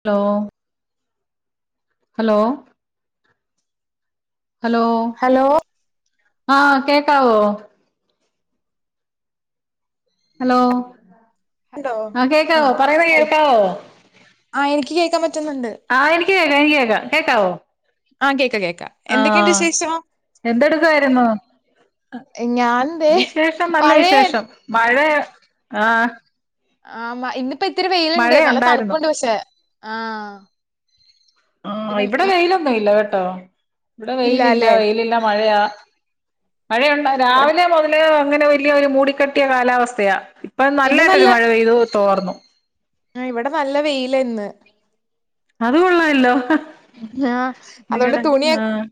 Hello hello hello hello ആഹ് കേക്കാവോ hello hello ആഹ് ആ കേക്കാവോ പറയുന്ന കേൾക്കാവോ ആ എനിക്ക് കേക്കാൻ പറ്റുന്നുണ്ട് ആഹ് എനിക്ക് കേക്കാം എനിക്ക് കേക്കാം കേക്കാവോ ആഹ് കേക്കാം കേക് ആഹ് എന്തെടുക്കുവാര്ന്നു ഞാൻ ദേ വിശേഷം നല്ല മഴയ വിശേഷം മഴയ ആഹ് ആ മ ഇന്ന് ഇപ്പ ഇത്തിരി വെയില്ണ്ട് നല്ല മഴയുണ്ടായിരുന്നു തണുപ്പുണ്ട് പക്ഷെ ആഹ് ആഹ് ഇവിടെ വെയിലൊന്നുവില്ല കേട്ട് ട്ടൊ ഇവിടെ വെയിലില്ല ഇല്ലല്ലേ വെയിലില്ല മഴയാ മഴയൊണ്ട് ഇവിടെ രാവിലെ മുതല് അങ്ങനെ വലിയൊരു മൂടിക്കെട്ടിയ കാലാവസ്ഥയ. പ്പം നല്ലായിട്ടൊരു മഴ പെയ്തു തോർന്നു. ആഹ് ഇവിടെ നല്ല വെയിലന്ന്. അത് കൊള്ളാല്ലോ ആഹ് അതുകൊണ്ട് നിങ്ങടെ തുണിയൊ ആഹ്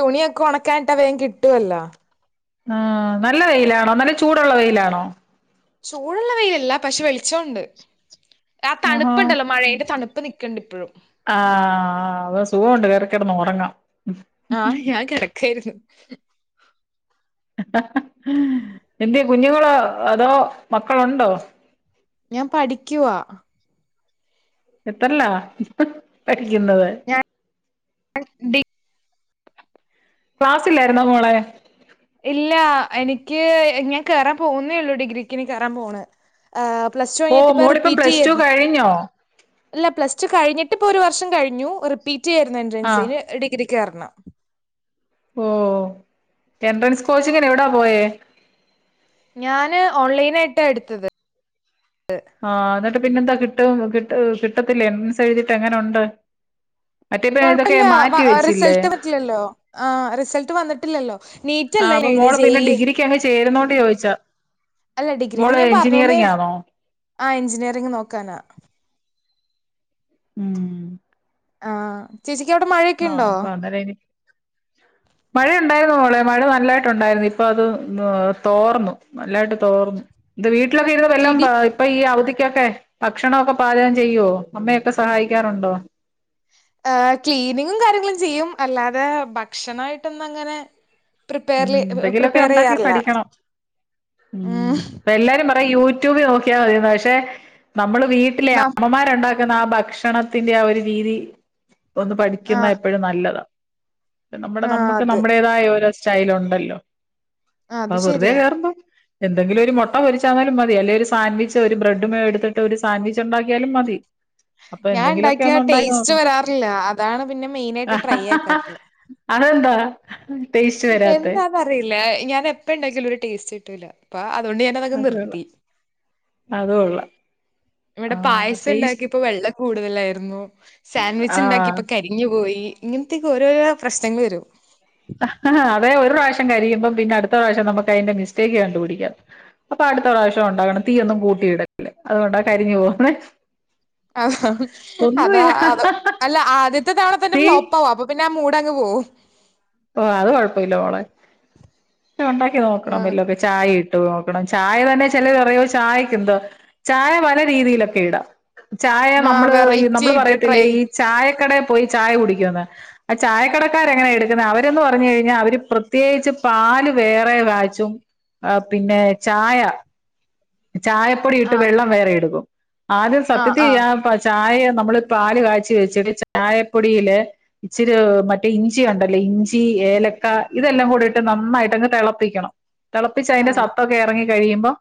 തുണിയൊക്കെ ഉണക്കാനിട്ട വേം കിട്ടുവല്ല ആഹ് നല്ല വെയിലാണോ നല്ല ചൂടൊള്ള വെയിലാണോ? ചൂടുള്ള വെയിലല്ല പശെ വെളിച്ചോണ്ട്. ആഹാ ഇപ്പോഴും ആഹ് അത സുഖണ്ട [unintelligible] ക്കെടന്നൊറങ്ങാം. ആഹ് ഞാൻ കിടക്കാര്ന്നു. എന്ത്യെ കുഞ്ഞുങ്ങളോ അതോ മക്കളൊണ്ടോ? ഞാൻ പഠിക്കുവാ. എത്രല്ലാ? പഠിക്കുന്നത് ഞാൻ [inaudible] ഡി ക്ലാസ്സ്‌ല്ലാരുന്നോ മോളെ? ഇല്ല എനിക്ക് ഞാൻ കേറാൻ പോവുന്നേള്ളൂ, ഡിഗ്ര‌ക്കിന് കേറാൻ പോണ്. പ്ലസ്ടു ഓ കഴിഞ്ഞിട്ട് ഇപ്പ മോളിപ്പം റിപ്പീറ്റ് പ്ലസ് ടു ചെയ്യാര്ന്നു, കഴിഞ്ഞോ ഇല്ല പ്ലസ് ടു കഴിഞ്ഞിട്ട് ഇപ്പൊ ഒരു വർഷം കഴിഞ്ഞു റിപ്പീ റ്റിയാരുന്നു എൻട്രൻസ് ആഹ് ഇനി ഡിഗ്രിക്ക് കേറണം ഓഹ്, എൻട്രൻസ് കോച്ചിങ്ങിനെവിടാ പോയെ ഞാന് ഓൺലൈനാ ട്ടടുത്തത്. ആഹ് എന്നിട്ട് പിന്നെന്താ കി കിട്ട കിട്ടും കിട്ടത്തില്ല എൻട്രൻസ് എഴുതിട്ട് എങ്ങനൊണ്ട്. കുഴപ്പ ഇല്ല റിസൾട്ട് വെച്ചില്ലല്ലോങ റിസൾട്ട് വന്നിട്ടില്ലല്ലോ നീറ്റ് ങ അല്ല ഞാൻ അപ്പംമോൾ എഴുതിയെ ജെ ഇപ്പം ഇന്ന് ഇ ഡിഗ്രിക്ക് അങ്ങ് ചേരുന്നോ ണ്ട് ചോദിച്ച അല്ല മോളെ എൻജിനീയറിങ് ആണോ? ആ എൻജിനീയറിങ് നോക്കാനാ. ഉം ങാചേച്ച? ക്ക് അവിടെ മഴയൊക്കെ ഉണ്ടോ? മഴയുണ്ടായിരുന്നു മോളെ, മഴ നല്ലതായിട്ടുണ്ടായിരുന്നു, ഇപ്പോ അത് ന്ന്തോർന്നു നല്ലതായിട്ട് തോർന്നു ഇത് വീ ട്ടിലൊക്കെ ഇരുന്നു വല്ലോ ഇടി പ ഇപ്പോൾ അവധിക്ക്. ക്കൊക്കെ ഭക്ഷണവൊക്കെ പാചകം ചെയ്യുവോ അമ്മയൊക്കെ സഹായിക്കാറോണ്ടോ ആഹ്‌ ക്ലിനിഗും കാര്യങ്ങളും ചെയ്യും അല്ലാതെ ഭക്ഷണവായിട്ടൊന്നും അങ്ങനെ മ്മ് പ്രിപ്പയർല് എന്തെങ്കിലുവോക്കെ പ്രിപ്പയർ ഒണ്ടാക്കി ചെയ്യാറില്ല പഠിക്കണം മ്മ് ഉം പ്പ എല്ലാരും യൂട്യൂബി നോക്കിയാമതിന് പഷേ നമ്മ വീട്ടിലെ ന അമ്മമാര് ഒണ്ടാ ന്ന ആ ഭക്ഷണത്തിന്റെ ആ ഒരു രീതി ഒന്നുപഠിക്കുന്ന ആഹ് എപ്പോഴും നല്ലതാ ഇപ്പോ നമ്മടെ ആഹ് നമ്മക്ക് അത് നമ്മടേതായ ഒ സ്റ്റൈൽ ഒണ്ടല്ലോ അത് വെറ്തെ കേറുമ്പം എന്തങ്കിലും ഒരു മൊട്ടപൊരിച്ചണേലും മതി അല്ലേ ഒരു സാൻവിച്ചോ ഒരു ബ്രെഡ്‌ മേയോ എടുത്തിട്ട് ഒരു സാൻവി ച്ചോണ്ടാക്കിയാലും മതി അപ്പൊ ഞാൻ എന്തങ്കിലുവോക്കെ ഉണ്ടാക്കിയ ഒന്ന് ഒണ്ടാക്കി ടേസ്റ്റ് നോക്കണം. വരാറില്ല അതാണ് പിന്നെ മെയിനായിട്ട് ട്രൈ അതെന്താ ടേസ്റ്റ് വരാത്തെ എന്താന്ന് അറില്ല ഞാനെപ്പ ഇണ്ടാക്കിയാലും ഒരു ടേസ്റ്റ് ട്ടൂല പ അ [unintelligible] അത് കൊള്ളാം നിർത്തി അത് കൊള്ളാം ആ വടെ ടേസ്റ്റ് പായസണ്ടാക്യപ്പം വെള്ളം കൂടുതലായിരുന്നു ആ സാൻവിച്ച്ണ്ടാക്ക്യപ്പം കരിഞ്ഞു പോയി ഇങ്ങൻത്തേക്ക ഓരോരോ പ്രശ്നങ്ങള് വരും വെ ഒരു പ്രാവശ്യം കരിയുമ്പം പിന്ന അട്ത്ത പ്രാവശ്യം നമുക്കയിന്റെ മിസ്റ്റേക്ക് കണ്ടുപിടിക്കാം അപ്പൊ അട്ത്ത പ്രാവശ്യം ഉണ്ടാകണം തീയൊന്നും കൂട്ടിയിടല്ല് അതുകൊണ്ടാ കരിഞ്ഞു പോകന്നേ അതാ അത്‌ അല്ല ആദ്യത്തെ തവണ തന്നെ തീ ഫ്ലോപ്പ് ആവ അപ്പൊ പിന്നെ ആ മൂ ഡങ്‌ പോവും ആ അത് കൊഴപ്പമില്ല മോളെ ഉണ്ടാക്കി നോക്കണം ആഹ് വല്ലൊക്കെ ചായേം ട്ട് നോക്കണം ചായ തന്നെ ചിലര് പറയും ചായക്കെന്തോ ചായ പല രീതിയിലൊക്കെ ഇടാം ചായ ആഹ് നമ്മള് ഈ വെറൈറ്റി നമ്മള് ആയിട്ട് ട്രൈ പറയത്തില്ലേ ഈ ചായ കടെ പോയ് ചായ കുടിക്കൊന്ന് അ ചായ കടക്കാരെങ്ങനെ ഇട് അവരെന്ന് പറഞ്ഞു കഴിഞ്ഞ അവര് പ്രത്യകിച് പാല് വേറെ കാച്ചും അ പിന്നെ ചായ ചായപ്പൊടി ഇട്ട് ആഹ് വെള്ളം വേറെ എടുക്കും ആദ്യം ആഹ് സത്യത്തി ആഹ് ആ ചായ ആയെ നമ്മള് പാൽ കാച്ചി വെച്ചിട്ട് ചായപ്പൊടിയില് ഇച്ചിരി മറ്റേ ഇഞ്ചിയൊണ്ടല്ലോ ഇഞ്ചി, ഏലക്ക ഇതെല്ലാം കൂടെയിട്ട് നന്നായിട്ടങ്ങ് തെളപ്പിക്കണം തെളപ്പിച്ചയിന്റ ആഹ് സത്തൊക്കെ എറങ്ങി കഴിയുമ്പം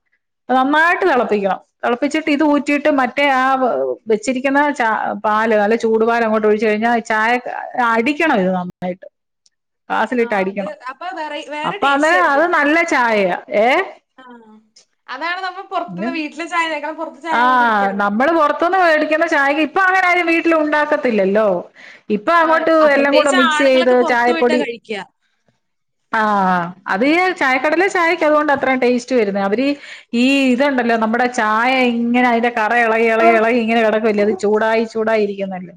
നന്നായിട്ട് തളപ്പിക്കണം. തിളപ്പിച്ചിട്ട് ഇത് ഊറ്റിയിട്ട് മറ്റേ ആ വെ വെച്ചിരിക്കിന്ന ചാ പാല് നല്ല ചൂട് പാലങ്ങോട് ഒഴിച്ച് കഴിഞ്ഞാ ഈ ചായക്ക് അടിക്കണം ഇത് നന്നായിട്ട് ഗ്ലാസിലിട്ട് ആഹ് അത് അടിക്കണം. അപ്പൊ വേറെ വേറെ അപ്പൊ അത് അത് നല്ല ചായയാ ഏ ആ അതാണ് നമു പ്പ പൊറത്തിന്ന് വീട്ടിലെ ചായകയിക്കണം ആ നമ്മള് പൊറത്തുന്ന് വേടി ക്കിന്ന ചായ കി ഇപ്പങ്ങനാരും വീട്ടില് ഉണ്ടാക്കത്തില്ലല്ലോ ഇപ്പൊ അങ്ങോട്ട്‌ ആഹ് എല്ലാം കൂടെ പ്രത്യേകിച്ച് മിക്സെയ്ത് ആണുങ്ങളൊക്കെ പുറത്തു പോയിട്ടാ ചായപ്പൊടി കഴിക്കുക ആ അത് യെ ചായക്കടലെ ചായക്കുള്ളോണ്ട ഇത്രയും ടേസ്റ്റ് വരുന്നേ. അവരീ ഈ ഇതുണ്ടല്ലോ നമ്മുടെ ചായയി ഇങ്ങനെ ആയതെ കറ എളകി എളകി ഉം എളകിയിങ്ങനെ കെടക്കുവല്ലേ. അത് ചൂടായി ചൂടായിരിക്കുന്നല്ലേ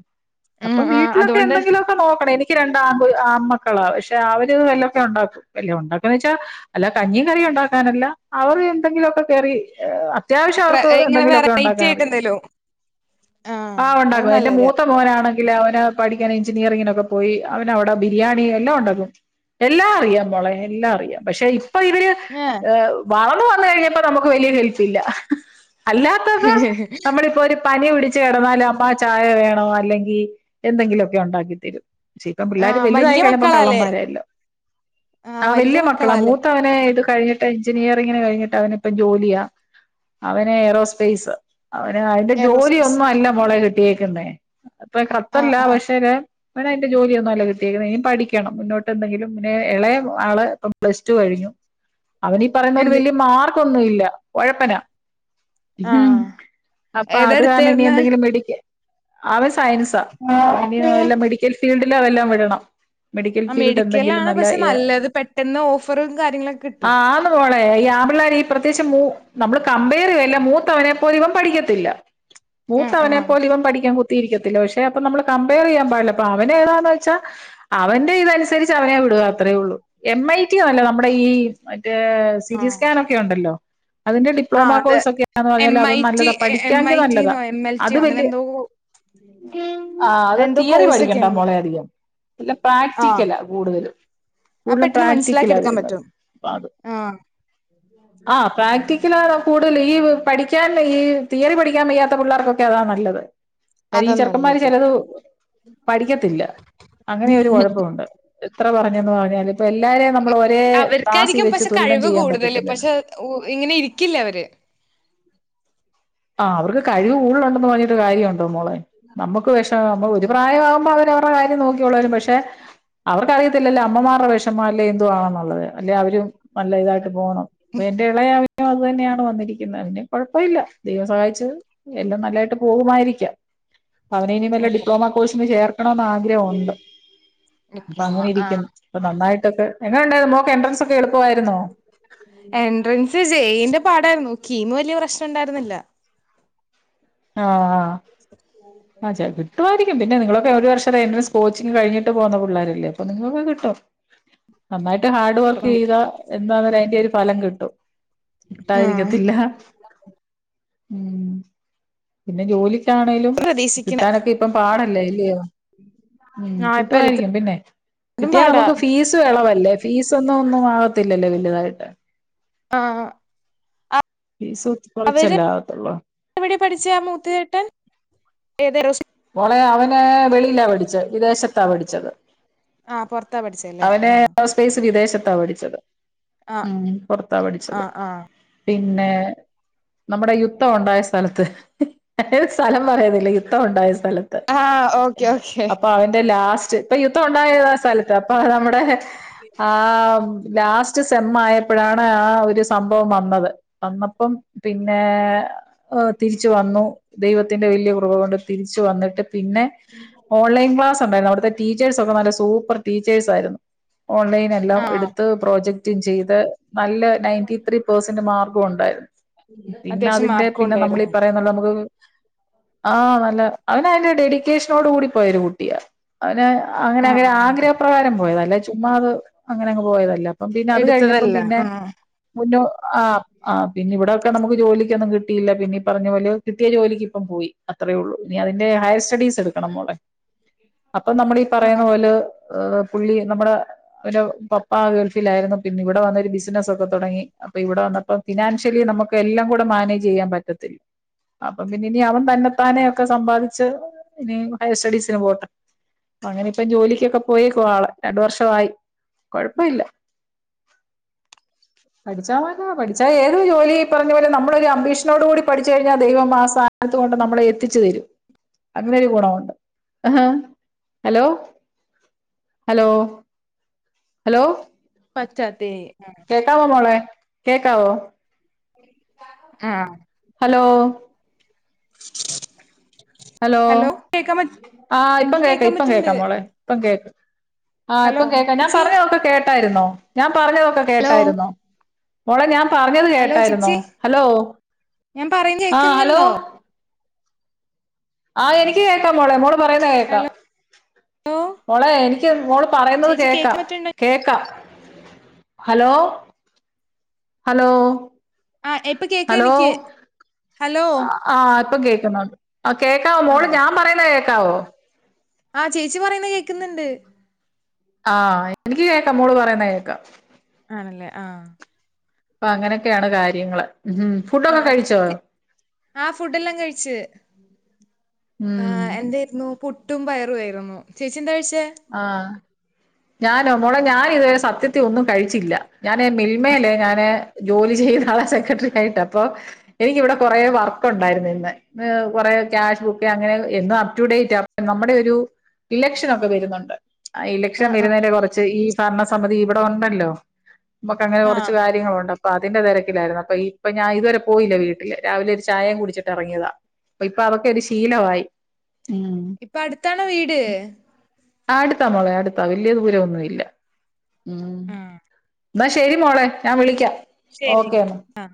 അപ്പം ആഹ് വീട്ടിലൊക്കെ അതുകൊണ്ട് എന്തെങ്കിലൊക്കെ നോക്കണം. എനി ക്ക്‌ രണ്ട് ആൺപു ആൺമക്കളാ പക്ഷെ അവര് വല്ലൊക്കെ ഒണ്ടാക്കും. വല്ലൊം ഉണ്ടാക്കൊന്നോയിച്ചാല് വല്ല കഞ്ഞിയും കറിയും ഉണ്ടാക്കാനല്ല. അവര് എന്തെങ്കിലൊക്കെ കേറി ഏ ആ അത്യാവശ്യം അവർ ഏ ഇങ്ങനെ വെറൈറ്റി ആയിട്ട് എന്തേലും. ആ അത് നല്ലൊരു കാ അഖിലൊ ഓനോ പഠിക്കാൻ എഞ്ചിനീയറിംഗിനൊക്ക പോയി അവന് അവിടെ ബിരിയാണി എല്ലാ ഒണ്ടാക്കും. എല്ലാം അറിയാം മോളെ എല്ലാ വയ്യ പക്ഷെ ഇപ്പൊ ഇവര് ഏഹ് വാ പ്പം വന്ന് കഴിഞ്ഞപ്പോ നമ്മക്ക് വല്ല്യാ ഹെല്പില്ല അല്ലാത്തപ്പോ നമ്മളിപ്പോ ഒരു പനി പിടിച്ചു കെടന്നാലും അമ്മ ചായ വേണോ അല്ലെങ്കി എന്തെങ്കിലുമൊക്കെ ഒണ്ടാക്കി തരും പക്ഷെ ഇപ്പം പിള്ളേർ ആഹ് വലുതായി വല്യ കഴിഞ്ഞപ്പോ മക്കളാല്ലേ കള്ളന്മാര എല്ലാം. ആ ആഹ് വല്യ വലിയ മക്കളാ മക്കളാല്ലേ മൂത്തവനെ ഇത് കഴിഞ്ഞിട്ട് എഞ്ചിനീയറിംഗിന് കഴിഞ്ഞിട്ട് അവനിപ്പോ ജോലിയാ അവന് ഏറോസ്പൈസാ അവന് അതിന്റെ എയറോസ്പേസ് ജോലിയൊന്നും അല്ല മോള കി കേക്കണ്ടേ ഇപ്പം ആഹ് ഖത്തറിലാ ആഹ് പക്ഷേരെ അവന് അതിന്റെ ജോലിയൊന്നും അല്ല കിട്ടിയെക്കുന്നേ ഇനി പഠിക്കണം മുന്നോട്ട് എന്തെങ്കിലും പിന്നെ ഇളയ ആള് ഇപ്പ പ്ലസ് ടു കഴിഞ്ഞു അവന് ഈ പറയുന്ന പോലെ എന്ത് വലിയ മാർ ക്കൊന്നും ഇല്ല ഒഴപ്പനാ മ് ആഹ് അപ്പ ഏതാ അത് കാരണം ഇനി എടുത്തായിരുന്നെ എന്തെങ്കിലും മേടിക്ക് അവന് സയൻസാ ആ ഇനി ആഹ് വല്ല മെഡിക്കല് ഫീല്‍ഡിലോ വല്ലം വിടണം മെഡിക്കൽ ആഹ് ഫീൽഡ് എന്തെങ്കിലും മെഡിക്കലാണ് നല്ല പക്ഷെ യ നല്ലത് പെട്ടെന്ന് ഓഫറും കാര്യങ്ങളൊക്കെ ആ കിട്ടും ആന്ന് മോളെ ഈ ആ പിള്ളേരെ ഈപ് പ്രത്യേകിച്ച് മു നമ്മള് ക കമ്പയറല്ല മൂത്തവനെ പോലെ ഇവൻ പഠിക്കത്തില്ല ആഹ് മൂത്തവനെ ആഹ് പോല ഇവൻ പഠിക്കാൻ കുത്--' ത്തിരിക്കത്തില്ല പക്ഷെ അപ്പൊ നമ്മൾ കമ്പയർ ചെയ്യാൻ പാടില്ല അപ്പൊ അവന് ഏതാന്ന് വെച്ചാൽ അവന്റെ ഇതനുസരിച്ച് അവനെ വിടുക അത്രേ ഉള്ളൂ എം ഐ ടിന്നല്ല നമ്മുടെ ഈ മറ്റ് മറ്റെ സിറ്റി ആഹ് സ്കാൻ ഒക്കെ ഉണ്ടല്ലോ അതിന് ഡിപ്ലോമ ആഹ് അതെ കോഴ്സ് ഒക്കെയാന്ന് എം പറഞ്ഞാൽ അത് ഐ ടി നല്ലതാ എം പഠിക്കാങ്കിൽ ഐ നല്ലതാ ടിന്നോ എം എൽ അത് ടിയോ അങ്ങനെ വലിയ എന്തോ ആ അത് എന്തോ തിയറി കോഴ്സ് ഒക്കെ പഠിക്കണ്ട ഉണ്ട് മോളെ അധികം ഇല്ല ആഹ് പ്രാക്ടിക്കലാ കൂടുതലും അത് കൂടുതലും പെട്ടെന്ന് മനസ്സിലാക്കി എടുക്കാൻ പ്രാക്ടിക്കലവരുന്നത് പറ്റും അ അത് ആഹ് ആഹ് പ്രാക്ടിക്കല കൂടുതൽ ഈ പഠിക്കാൻ ഈ തിയറി പഠിക്കാൻ വയ്യാത്ത പിള്ളേർക്കൊക്കെ അതാ നല്ലത് ഈ അതാ ചെറുക്കന്മാര് നല്ലത് ചിലത് പഠിക്കത്തില്ല അങ്ങനെ ഒരു കുഴപ്പമുണ്ട് എത്ര പറഞ്ഞന്ന് പറഞ്ഞാലും ഇപ്പൊ എല്ലാരെയും നമ്മൾ ഒരേ ത്രാസ് അവർക്കായിരിക്കും വെച്ച് പക്ഷെ തുലനം കഴിവ് ചെയ്യാൻ കൂടുതല് പറ്റത്തില്ലല്ലോ പക്ഷെ ഉ- ഇങ്ങനെ ഇരിക്കില്ല അവര് ആഹ് അവർക്ക് കഴിവ് കൂടലുണ്ടെന്ന് പറഞ്ഞട്ട് കാര്യണ്ട പോ മോളെ നമ്മുക്ക് വിഷമ്മം ഒരു പ്രായമാവുമ്പോ അവര അവരുടെ കാര്യം നോക്കിവളരും പക്ഷെ അവർക്കറിയത്തില്ലല്ലേ അമ്മമാർടെ വിഷമം അല്ലേ എന്തവാണെന്നുള്ളത് അല്ലെ അവരും നല്ല ഇതായിട്ട് പോണം എന്റെ ഇളയവൻ അത് തന്നെയാണ് വന്നിരിക്കുന്ന പിന്നെ കൊഴപ്പയില്ല ദൈവം സഹായിച്ച് എല്ലാം നല്ലായിട്ട് പോകുമായിരിക്കാം അവനെ ഇനി വല്ല ഉം. ഡിപ്ലോമ കോഴ്സിന് ചേർ ട്ടണോന്ന് ആഗ്രഹമുണ്ട് ഇപ്പ ഡിപ്ലോമ അങ്ങനെ ഇരിക്കും ആഹ് ഇപ്പ നന്നായിട്ട് തൊക്കെ എങ്ങനെ ഉണ്ടായിരുന്നു മോക്ക് എന്‍ട്രന്‍സ് എൻട്രൻസ് ജേയിന്റെ പാടായിരുന്നു കീമ് വലിയ പ്രശ്നം ഉണ്ടായിരുന്നില്ല ആഹ് ആ ചെല കിട്ടുമയിരിക്കും പിന്നെ നിങ്ങള് ഒരു വർഷം എന്‍ട്രന്‍സ് കോച്ചിങ് കഴിഞ്ഞിട്ട് പോന്ന പിള്ളാരല്ലേ അപ്പൊ നിങ്ങക്ക് കിട്ടും നന്നായിട്ട് ഹാർഡ് വർക്ക് ചെയ്താ എൻ [unintelligible] അതിൻ്റെ ഒരു ഫലം കിട്ടും ആഹ് ണ്ടായിരിക്കത്തില്ല ഉം പിന്നെ ജോലിക്കാണേലും പ്രതീക്ഷിക്കണ് കിട്ടാനൊക്കെ ഇപ്പം പാടല്ലേ യൊ [unintelligible] ഉം ആഹ് ഇപ്പൊ കാട്ടുമായിരിക്കും എല്ലാത്തിനും പിന്നെ കിട്ടിയാൽ പാടാ നമ്മക്ക് ഫീസും എളവല്ലേ ഫീസൊന്നും ഒന്നും ആക ല്ലല്ലോ വല്ല്യതായിട്ട് ആഹ് അത് ഫീസ് അവര് കുറച്ചല്ലേ ആകത്തുള്ളൂ [unintelligible] പഠിച്ചയ മൂത്ത ചേട്ടൻ [unintelligible] മോളെ അവന് വെളിയില പഠിച്ചേ വിദേശതാ പഠിച്ചത് ആഹ് പുറത്താ പഠിച്ചല്ലേ അവനെ ആഹ് സ്പേയിസ് വിദേശത് ത പഠിച്ചത് ആഹ് ഉം പുറത്താ പഠിച്ചത് ആഹ് ആഹ് പിന്നെ നമ്മുടെ യുദ്ധം ഉണ്ടായ സ്ഥലത്ത് ഏത് സ്ഥലം പറയുന്നില്ല യുദ്ധം ഉണ്ടായി ലത്ത് ആഹ് ഓക്കെ ഓക്കെ അപ്പൊ അതിൻ്റെ ലാസ് ഇപ്പൊ യുദ്ധം ഉണ്ടായ സ്ഥലത്ത് അപ്പൊ നമ്മുടെ ആ ലാസ് സെമ്മ് ആയപ്പോഴാണ് ആ ഒരു സംഭവം വന്നത് വന്നപ്പോ പിന്നെ ഏ തിരിച്ച് വന്നു ദൈവത്തിൻ്റെ വലിയ കൃപ ക്കൊണ്ട് തിരി വന്നിട്ട് പിന്നെ ഓൺലൈൻ ക്ലാസ് ണ്ടായിരുന്നു അവിടുത്തെ ടീച്ചേഴ്സ് ഒക്കെ നല്ല സൂപ്പർ ടീച്ചേഴ്സ് ആയിരുന്നു ഓൺലൈൻ എല്ലാം ആഹ് എടുത്ത് പ്രൊജക് റ്റു ഉം ചെയ്ത് നല്ല നയൻറ്റിത്ത്രി പേഴ്സെൻ്റേജ് മാർക്കും ഉണ്ടായിരുന്നു പിന്നെ അത്യാവശ്യം അതിൻ്റെ മാർക്കും പിന്നെ നമ്മള് ഉണ്ടായിരുന്നു പറയുന്ന പോലെ നമുക്ക് ആ നല്ല അവൻ അയിൻ്റെ ഡെഡിക്കേഷൻ ഓടു കൂടി പോയൊരു കുട്ടിയാ അവന് അങ്ങനെ അങ്ങനെ ആഹ് ആഗ്രഹ പ്രകാരം പോയതാ അല്ലാതെ ചുമ്മത് അങ്ങനെ അങ്ങ് പോയതല്ല അപ്പം പിന്നെ അത് കഴിഞ്ഞപ്പോ എടുത്തതല്ല പിന്നെ ആഹ് മുന്നു ആ ആ പിന്നെ ഇവിടെ കിടന്നു നമുക്ക് ജോലിക്കൊന്നും കിട്ടില്ല പിന്നെ ഈ പറഞ്ഞ പോലെ കിട്ടിയ ജോലിക്ക് ഇപ്പം പോയി അത്ര ഉള്ളു നി അതിന്റെ ഹയർ സെറ്റടിസ് എടുക്കണം മോളെ അപ്പോ നമ്മള് ഈ ആഹ് പറയുന്നത് ഓല് ആ പുളി നമ്മുടെ ഒരു പപ്പ ഗൾഫിൽ ആയിരുന്നു പിന്നി ഇവിടെ വന്ന് ഒരു ബിസ്നസ് തുടങ്ങി അപ്പോ ഇവിടെ വന്നപ്പോ ഫിനാൻഷലി നമ്മുക്ക് എല്ലാം കുടി മാനേജ് ചെയ്യാൻ പറ്റത്തില്ല അപ്പോ പിന്നെ ഇനി അവൻ തന്ന തനെ ഒക്കെ സാമ്പദിച്ച് ഇനി ഹെയർസ്റ്റഡീസ്ന് പോട്ടെ അങ്ങനെ ഇപ്പോ ജോലിക്ക് ഒക്കെ പോയി കു ആ ആൾ രണ്ട് വർഷം ആയി കുഴപ്പം ഇല്ല പഠിച്ച [unintelligible] എത് ജോലി പറഞ്ഞ പോലെ നമ്മൾ അമ്പിഷൻ ഓട് കൂടി പഠിച്ച് കഴിഞ്ഞാൽ ദൈവം ആസ്ഥനത്ത് കൊണ്ട് നമ്മളെ എത്തി ച്ച് തരും അങ്ങനെ ഒരു ഗുണം ഉണ്ട് ഹലോ ഹലോ ഹലോ പറ്റ തെയ് കേക്കാവോ മോളെ കേക്കാവോ ആ ഹലോ [inaudible] ഹലോ കേക്കാൻ പറ്റ ആ ഇപ്പ എനിക്ക് കേക്ക കേക്കാൻ ഇപ്പോ പറ്റ്ണ്ട് കേൾക്കാൻ മോളെ ആ ഇപ്പൊ ഹലോ കേൾക്കാം ഞാൻ ചേച്ചി പറഞ്ഞതൊക്കെ കേട്ടായിരുന്നോ ഞാൻ പറഞ്ഞത് ഹലോ കേട്ടായിരുന്നോ മോളെ ഞാൻ പറഞ്ഞത് ഹലോ കേട്ടായിരുന്നോ ചേച്ചി ഞാൻ പറയുന്ന ആ ഹലോ കേക്കുന്നുണ്ടോ എനിക്ക് കേൾക്കാൻ മോളെ മോള് പറയുന്നത് കേൾക്കാം ഹലോ മോളെ എനിക്ക് മോള് പറയുന്നത് ചേച്ചി കേക്കാൻ പറ്റ്ണ്ടോ കേൾക്കാം ഹലോ ഹലോ ആഹ് ഇപ്പൊ കേക്ക ഹലോ എനിക്ക് ഹലോ ആ ഇപ്പോ കേൾക്കുന്നുണ്ട് ആ കേക്കാം മോള് ആഹ് ഞാൻ പറയുന്നത് കേൾ ക്കാവോ ആഹ് ചേച്ചി പറയുന്ന കേക്കുന്നുണ്ട് ആഹ് എനിക്ക് കേക്കാം മോള് പറയുന്ന കേക്കാം ആണല്ലേ ആഹ് അപ്പൊ അങ്ങനൊക്കെയാണ് കാര്യങ്ങള് ഉം ആ ഫുഡൊക്കെ കഴിച്ചോ ആ ഫുഡ് എല്ലാം കഴിച്ച് ആ ഉം എന്തായിരുന്നു ഫു പുട്ടും പയറുയായിരുന്നു ചേച്ചി എന്താ കഴിച്ച് ആഹ് ഞാനോ മോള് ഞാൻ ഇതുവരെ സത്യത്തി ഒന്നും കഴിച്ചില്ല ഞാന് മിൽമല്ലേ ഞാന് ജോലി ചെയ്ത ആള സെക്രട്ടറി ആയിട്ട് അപ്പൊ എനിക്കിവിടെ കൊറെേ വർക്ക് ഉണ്ടായിരുന്നു ഇന്ന് കൊറെ ക്യാഷ് ബുക്ക് അങ്ങനെ എന്നും അപ്റ്റടു ഡേറ്റ് അപ്പ നമ്മുടെ ഒരു ഇലക്ഷൻ ഒക്കെ വരുന്നുണ്ട് ഇലക്ഷൻ ആഹ് ആഹ് വരുന്നന്റെ കുറച്ച് ഈ ഭരണസമിതി ഇവിടെ ഉണ്ടല്ലോ നമക്ക് അങ്ങനെ കുറച്ച് ആഹ് കാര്യങ്ങളും ഉണ്ട് അപ്പൊ അതിന്റെ തിരക്കിലായിരുന്നു അപ്പൊ ഇപ്പൊ ഞാൻ ഇതുവരെ പോയില്ല വീട്ടില് രാവിലെ ഒരു ചായേം കുടിച്ചിട്ട് ഇറങ്ങിയതാ അപ്പ ഇപ്പൊ അതൊക്കെ ഒരു ശീലമായി ഉം ഇപ്പൊ അടുത്താണോ വീട് അടുത്താ മോളെ അടുത്താ വലിയ ദൂരം ഒന്നുമില്ല ഉം എന്നാ ശരി മോളെ ഞാൻ വിളിക്കാം ശരി ഓക്കെ എന്നാ ആ